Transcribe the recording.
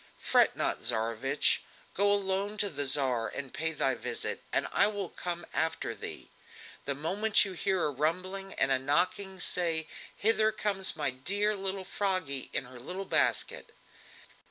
"Fret not, Tsarevich! Go alone to the Tsar and pay thy visit, and I will come after thee. The moment you hear a rumbling, and a knocking, say: 'Hither comes my dear little Froggy in her little basket!'"